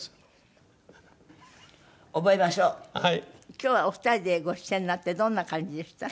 今日はお二人でご出演になってどんな感じでした？